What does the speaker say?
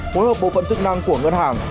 hối hợp bộ phận chức năng của ngân hàng